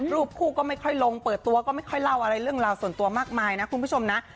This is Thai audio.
รูปคู่ก็ไม่ค่อยลงเปิดตัวก็ไม่ค่อยเล่าอะไรเรื่องราวส่วนตัวมากมายนะคุณผู้ชมนะ